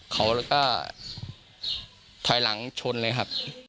เขาก็ถอยหลังชนเลยครับ